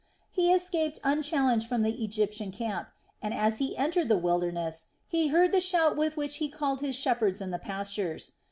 He escaped unchallenged from the Egyptian camp and, as he entered the wilderness, he heard the shout with which he called his shepherds in the pastures.